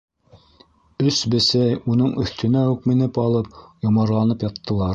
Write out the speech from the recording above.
Өс бесәй уның өҫтөнә үк менеп алып, йомарланып яттылар.